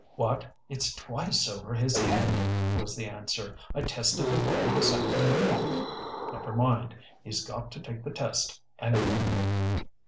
"What! It's twice over his head," was the answer. "I tested the water this afternoon." "Never mind, he's got to take the test anyway."